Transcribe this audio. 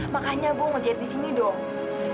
makanya bu mau jahit di sini dong